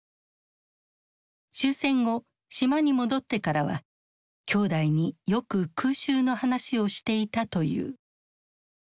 終戦後島に戻ってからはきょうだいによく空襲の話をしていたという。